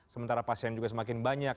sementara pasien juga semakin banyak